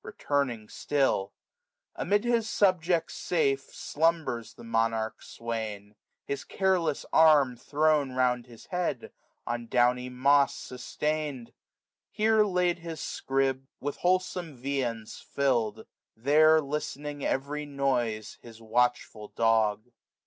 Returning stilL Amid his subjects safe. Slumbers the monarch swain ; his careless arm Thrown round his head, on downy moss sustained; 495 Here laid his scrip, with wholesome viands fiU'd ; There, listening every noise, his watchful dog.